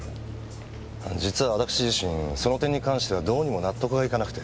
実は私自身その点に関してはどうにも納得がいかなくて。